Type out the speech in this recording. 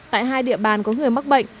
tại hai địa bàn có người mắc bệnh